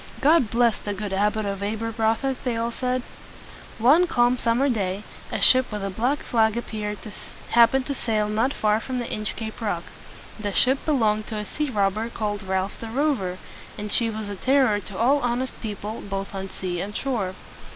"God bless the good Abbot of Ab er broth ock!" they all said. One calm summer day, a ship with a black flag happened to sail not far from the Inch cape Rock. The ship belonged to a sea robber called Ralph the Rover; and she was a terror to all honest people both on sea and shore.